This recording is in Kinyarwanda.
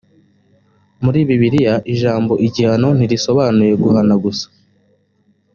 muri bibiliya ijambo igihano ntirisobanura guhana gusa